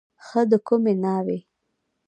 ښه د کومې ناوې.